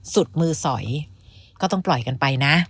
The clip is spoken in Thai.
สุดมือสอยก็ต้องปล่อยกันไปนะ